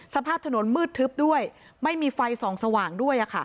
สภาพถนนมืดทึบด้วยไม่มีไฟส่องสว่างด้วย